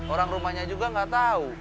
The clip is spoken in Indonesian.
orang rumahnya juga gak tau